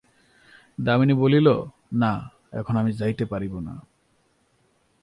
দামিনী বলিল, না, এখন আমি যাইতে পারিব না।